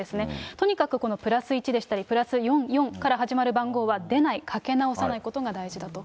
とにかくこの＋１でしたり、＋４４から始まる番号は出ない、かけ直さないことが大事だと思い